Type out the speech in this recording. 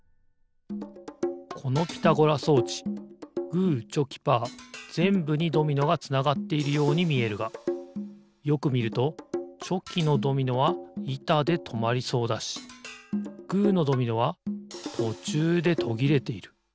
このピタゴラ装置グーチョキーパーぜんぶにドミノがつながっているようにみえるがよくみるとチョキのドミノはいたでとまりそうだしグーのドミノはとちゅうでとぎれている。